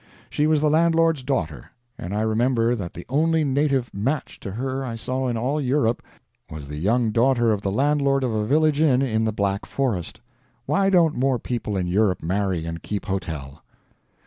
She was the landlord's daughter. And I remember that the only native match to her I saw in all Europe was the young daughter of the landlord of a village inn in the Black Forest. Why don't more people in Europe marry and keep hotel?